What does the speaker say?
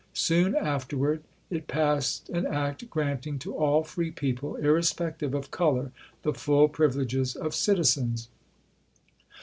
Soon afterward it passed an act granting to all free people, irrespective of color, the full privileges of citizens.